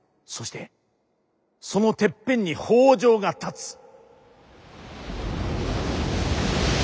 そしてそのてっぺんに北条が立つ。